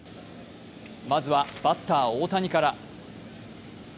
まずはバッター・大谷から。